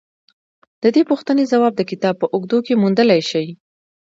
د دې پوښتنې ځواب د کتاب په اوږدو کې موندلای شئ